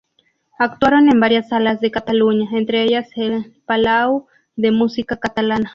Actuaron en varias salas de Cataluña, entre ellas el Palau de la Música Catalana.